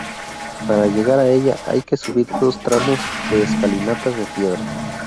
Para llegar a ella hay que subir dos tramos de escalinatas de piedra.